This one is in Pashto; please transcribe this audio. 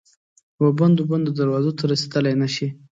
وبندو، بندو دروازو ته رسیدلای نه شي